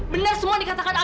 benar semua dikatakan ayah